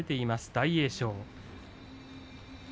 大栄翔。